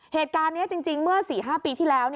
เหตุการณ์นี้จริงเมื่อ๔๕ปีที่แล้ว